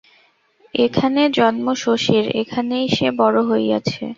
এখানে জন্ম শশীর, এখানেই সে বড় হইয়াছে।